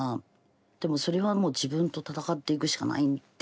でもそれはもう自分と闘っていくしかないですね。